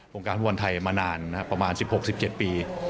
วงการฟุตบอลไทยมานานนะครับประมาณสิบหกสิบเจ็ดปี